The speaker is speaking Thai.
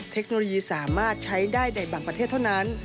เทคโนโลยีสามารถใช้ได้ในบางประเทศเท่านั้น